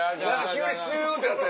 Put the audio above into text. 急にシュってなった。